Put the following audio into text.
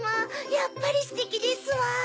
やっぱりステキですわ！